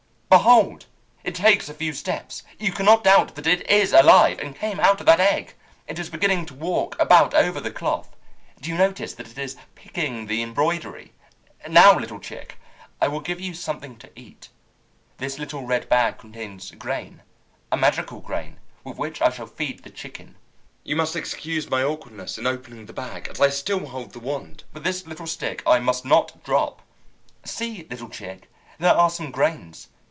"Behold, it takes a few steps! You cannot doubt that it is alive, and came out of that egg. It is beginning to walk about over the cloth. Do you notice that it is picking the embroidery? Now, little chick, I will give you something to eat. This little red bag contains grain, a magical grain, with which I shall feed the chicken. You must excuse my awkwardness in opening the bag, as I still hold the wand; but this little stick I must not drop. See, little chick, there are some grains!